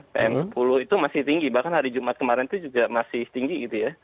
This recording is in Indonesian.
pm sepuluh itu masih tinggi bahkan hari jumat kemarin itu juga masih tinggi gitu ya